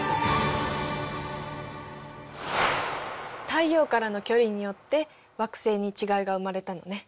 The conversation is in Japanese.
太陽からの距離によって惑星に違いが生まれたのね。